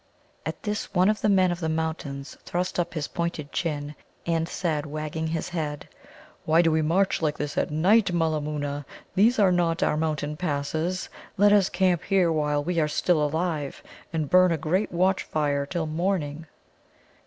At this one of the Men of the Mountains thrust up his pointed chin, and said, wagging his head: "Why do we march like this at night, Mulla moona? These are not our mountain passes. Let us camp here while we are still alive, and burn a great watch fire till morning."